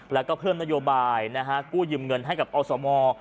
แล้วก็เพิ่มนโยบายกู้ยืมเงินให้กับอสม